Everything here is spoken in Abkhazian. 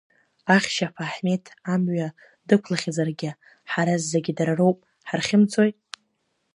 Ахьшьаԥа Аҳмеҭ амҩа дықәлахьазаргьы ҳара зегьы дарароуп ҳархьымӡои.